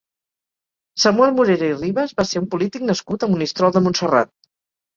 Samuel Morera i Ribas va ser un polític nascut a Monistrol de Montserrat.